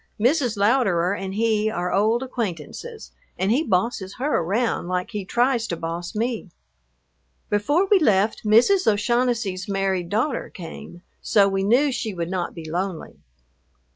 Mrs. Louderer and he are old acquaintances and he bosses her around like he tries to boss me. Before we left, Mrs. O'Shaughnessy's married daughter came, so we knew she would not be lonely.